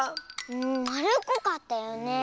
まるっこかったよねえ。